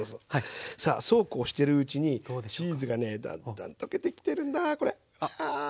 さあそうこうしてるうちにチーズがねだんだん溶けてきてるんだこれ。